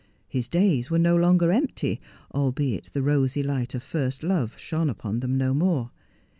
His days were no longer empty, albeit the rosy light of first love shone upon them no more.